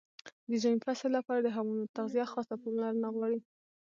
د ژمي فصل لپاره د حیواناتو تغذیه خاصه پاملرنه غواړي.